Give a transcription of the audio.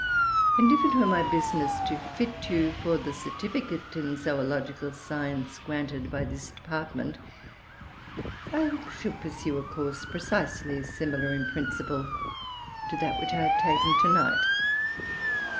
And if it were nay business to fit you for the certificate in zoological science granted by this department, I should pursue a course precisely similar in principle to that which I have taken to night.